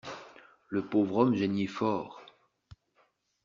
Le pauvre homme geignit fort.